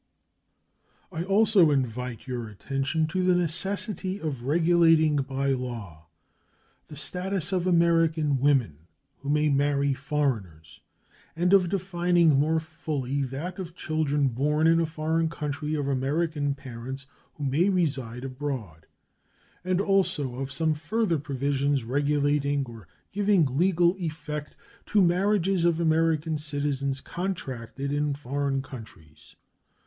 I also invite your attention to the necessity of regulating by law the status of American women who may marry foreigners, and of defining more fully that of children born in a foreign country of American parents who may reside abroad; and also of some further provision regulating or giving legal effect to marriages of American citizens contracted in foreign countries.